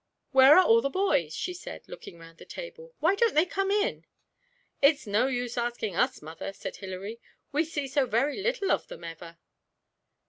'Where are all the boys?' she said, looking round the table. 'Why don't they come in?' 'It's no use asking us, mother,' said Hilary, 'we see so very little of them ever.'